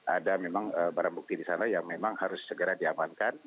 ada memang barang bukti di sana yang memang harus segera diamankan